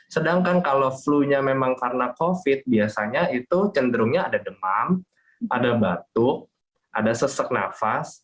sedangkan kalau flu nya memang karena covid biasanya itu cenderungnya ada demam ada batuk ada sesak nafas